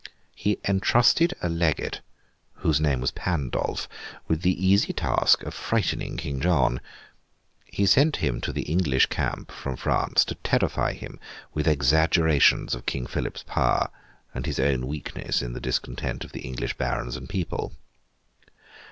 He entrusted a legate, whose name was Pandolf, with the easy task of frightening King John. He sent him to the English Camp, from France, to terrify him with exaggerations of King Philip's power, and his own weakness in the discontent of the English Barons and people.